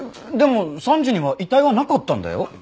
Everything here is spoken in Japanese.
でも３時には遺体はなかったんだよ。